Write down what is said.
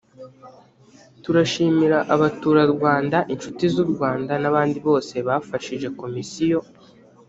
turashimira abaturarwanda inshuti z u rwanda n abandi bose bafashije komisiyo